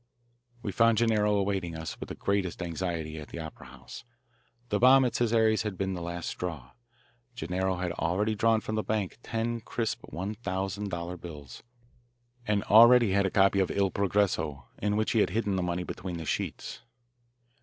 We found Gennaro awaiting us with the greatest anxiety at the opera house. The bomb at Cesare's had been the last straw. Gennaro had already drawn from his bank ten crisp one thousand dollar bills, and already had a copy of Il Progresso in which he had hidden the money between the sheets.